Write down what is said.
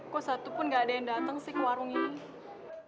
kok satupun gak ada yang datang sih ke warung ini